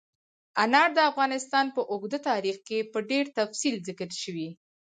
انار د افغانستان په اوږده تاریخ کې په ډېر تفصیل ذکر شوي.